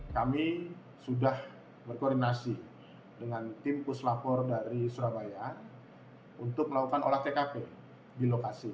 kami sudah berkoordinasi dengan tim puslapor dari surabaya untuk melakukan olah tkp di lokasi